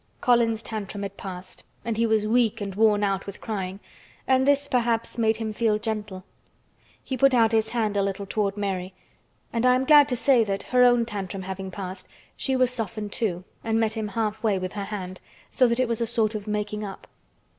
Colin's tantrum had passed and he was weak and worn out with crying and this perhaps made him feel gentle. He put out his hand a little toward Mary, and I am glad to say that, her own tantum having passed, she was softened too and met him half way with her hand, so that it was a sort of making up.